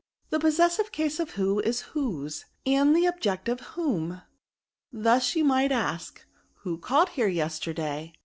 The possessive case of who is whose, and the objective whom. Thus you might ask, who called here, yesterday?